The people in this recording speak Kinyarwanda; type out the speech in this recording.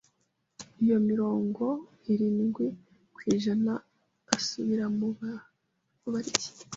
ayo mirongo irindwi kwijana asubira mu baryi.